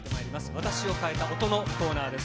私を変えた音のコーナーです。